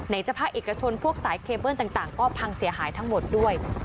จะภาคเอกชนพวกสายเคเบิ้ลต่างก็พังเสียหายทั้งหมดด้วย